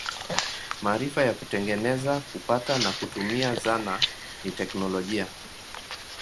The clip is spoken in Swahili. Maarifa ya kutengeneza, kupata na kutumia zana ni teknolojia.